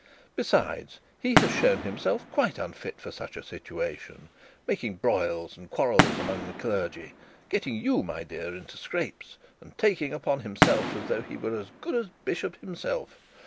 Besides, he has shown himself quite unfit for such a situation; making broils and quarrels among the clergy, getting you, my dear, into scrapes, and taking upon himself as though he was as good as bishop himself.